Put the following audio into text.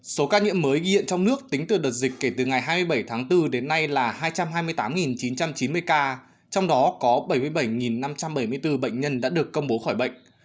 số ca nhiễm mới ghi hiện trong nước tính từ đợt dịch kể từ ngày hai mươi bảy tháng bốn đến nay là hai trăm hai mươi tám chín trăm chín mươi ca trong đó có bảy mươi bảy năm trăm bảy mươi bốn bệnh nhân đã được công bố khỏi bệnh